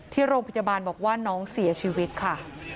ที่โรงพยาบาลบอกว่าน้องเสียชีวิตค่ะ